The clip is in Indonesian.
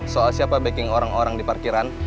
soal siapa backing orang orang di parkiran